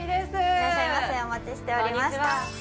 いらっしゃいませお待ちしておりました。